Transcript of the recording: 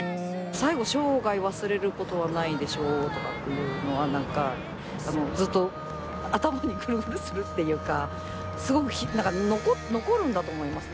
最後「生涯忘れることはないでしょう」とかっていうのはなんかずっと頭にぐるぐるするっていうかすごくなんか残るんだと思います。